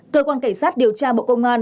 cơ quan cảnh sát điều tra bộ công an